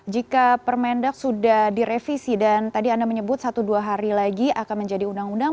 jika permendak sudah direvisi dan tadi anda menyebut satu dua hari lagi akan menjadi undang undang